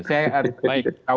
saya harus baik